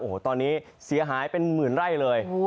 โอ้โหตอนนี้เสียหายเป็นหมื่นไร่เลย